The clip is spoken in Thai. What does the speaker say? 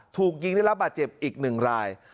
ถูกยิงได้รับบาดเจ็บอีก๑ราย